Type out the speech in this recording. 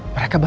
masuk kamu apa